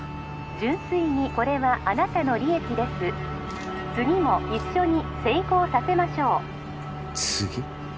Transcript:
☎純粋にこれはあなたの利益です☎次も一緒に成功させましょう次？